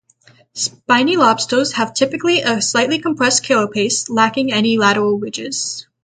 Spiny lobsters have typically a slightly compressed carapace, lacking any lateral ridges.